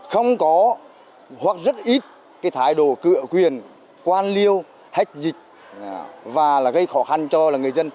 không có hoặc rất ít cái thái độ cửa quyền quan liêu hách dịch và là gây khó khăn cho người dân